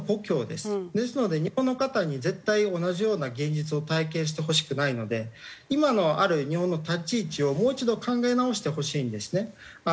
ですので日本の方に絶対同じような現実を体験してほしくないので今のある日本の立ち位置をもう一度考え直してほしいんですね。